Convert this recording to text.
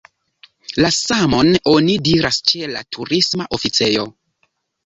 La samon oni diras ĉe la Turisma Oficejo.